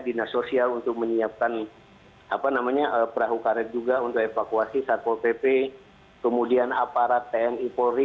dinas sosial untuk menyiapkan perahu karet juga untuk evakuasi satpol pp kemudian aparat tni polri